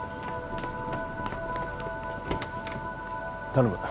頼む。